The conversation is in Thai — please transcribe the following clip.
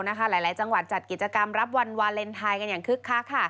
หลายจังหวัดจัดกิจกรรมรับวันวาเลนไทยกันอย่างคึกคักค่ะ